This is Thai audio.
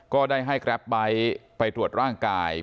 ก็ได้ให้แกรปไบท์ไปตรวจร่างกาย